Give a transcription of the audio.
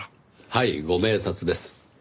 はいご明察です。